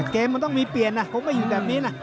เกมมันต้องมีเปลี่ยนนะผมไม่อยู่แบบนี้นะ